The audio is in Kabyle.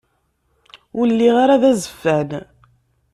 Ur lliɣ ara d azeffan.